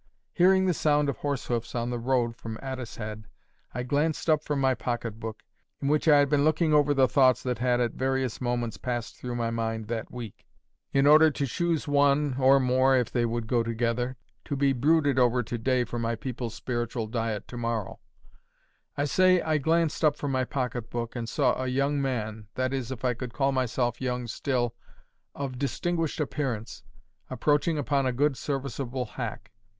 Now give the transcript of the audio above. Hearing the sound of horse hoofs on the road from Addicehead, I glanced up from my pocket book, in which I had been looking over the thoughts that had at various moments passed through my mind that week, in order to choose one (or more, if they would go together) to be brooded over to day for my people's spiritual diet to morrow—I say I glanced up from my pocket book, and saw a young man, that is, if I could call myself young still, of distinguished appearance, approaching upon a good serviceable hack.